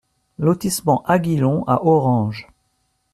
Lotissement Aguilon à Orange